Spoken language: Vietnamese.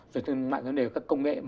rồi thương mại với vấn đề các công nghệ